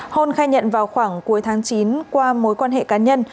hôn khai nhận vào khoảng cuối tháng chín qua mối quan hệ cá nhân